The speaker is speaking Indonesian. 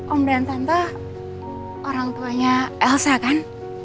om dan tante orang tuanya elsa kan